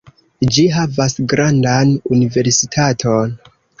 Ĝi havas grandan universitaton.